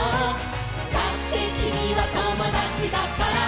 「だってきみはともだちだから」